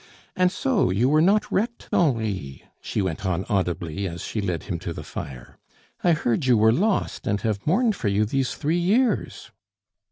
And so you were not wrecked, Henri?" she went on audibly, as she led him to the fire. "I heard you were lost, and have mourned for you these three years."